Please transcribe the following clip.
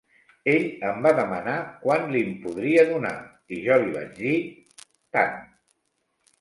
Ell em va demanar quant li'n podria donar, i jo li vaig dir: tant.